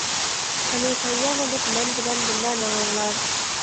-قېنى، تەييارلىنىپ مەن بىلەن بىللە مېڭىڭلار!